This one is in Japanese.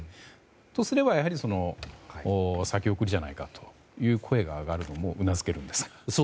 とすれば、やはり先送りじゃないかという声が上がるのもうなずけるんですが。